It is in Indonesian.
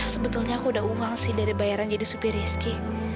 sebetulnya aku udah uang sih dari bayaran jadi supir rizki